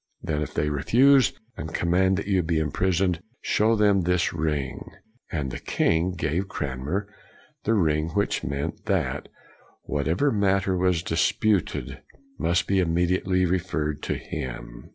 Then if they refuse, and command that you be imprisoned, show them this ring." And the king gave Cranmer the ring which meant that whatever matter was in dispute must be immediately referred to him.